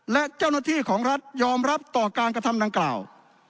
และเจ้าหน้าที่ของรัฐยอมรับต่อการกระทำดังกล่าว